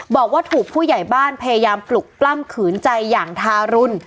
บอกว่าถูกผู้ใหญ่บ้านพยายามปลุกปล้ำขืนใจอย่างทารุณ